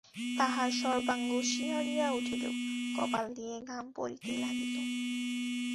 তাঁহার সর্বাঙ্গ শিহরিয়া উঠিল, কপাল দিয়া ঘাম পড়িতে লাগিল।